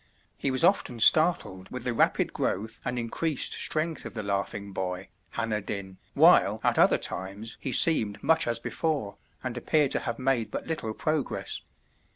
He was often startled with the rapid growth and increased strength of the laughing boy, Hanner Dyn, while at other times he seemed much as before and appeared to have made but little progress.